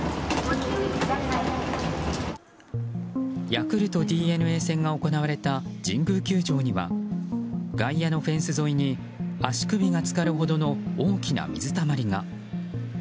ヤクルト・ＤｅＮＡ戦が行われた神宮球場には外野のフェンス沿いに足首がつかるほどの大きな水たまりが。